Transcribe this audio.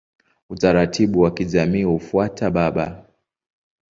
Utaratibu wa kijamii hufuata baba.